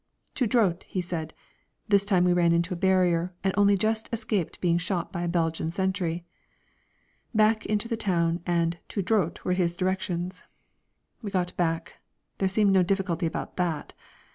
"Tout droit," he said. This time we ran into a barrier, and only just escaped being shot by the Belgian sentry. "Back into the town and tout droit," were his directions. We got back. There seemed no difficulty about that.